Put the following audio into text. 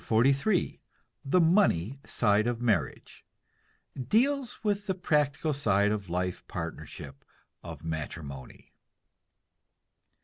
CHAPTER XLIII THE MONEY SIDE OF MARRIAGE (Deals with the practical side of the life partnership of matrimony.)